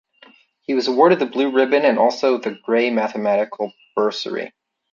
He was awarded the Blue Ribbon and also the Gray Mathematical Bursary.